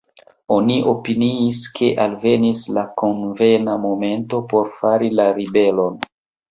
Oni opiniis, ke alvenis la konvena momento por fari la ribelon.